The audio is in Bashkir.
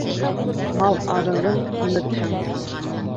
Мал арығын һимертһәң